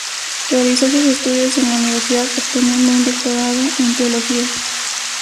Realizó sus estudios en la Universidad, obteniendo un doctorado en teología.